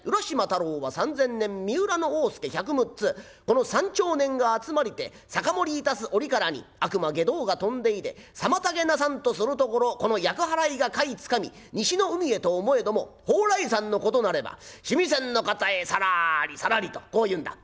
太郎は三千年三浦の大助百六ツこの三長年が集まりて酒盛りいたす折からに悪魔外道が飛んで出で妨げなさんとするところこの厄払いがかいつかみ西の海へと思えども蓬莱山のことなれば須弥山の方へさらりさらり』とこう言うんだ。